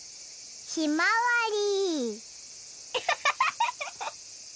ひまわり。